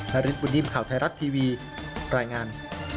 นาริสุบุณีมข่าวไทยรัฐทีวีรายงาน